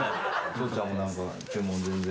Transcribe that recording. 祥ちゃんも何か注文全然。